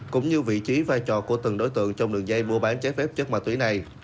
cũng như vị trí vai trò của từng đối tượng trong đường dây mua bán trái phép chất ma túy này